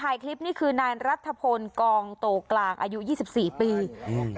ในคลิปนี้คือนายรัฐพนธ์กองโตกลางอายุ๒๔ปีอืม